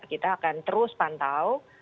kita akan terus pantau